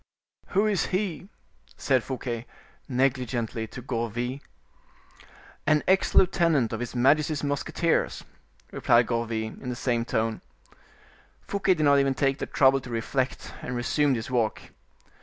"Who is he?" said Fouquet, negligently, to Gourville. "An ex lieutenant of his majesty's musketeers," replied Gourville, in the same tone. Fouquet did not even take the trouble to reflect, and resumed his walk.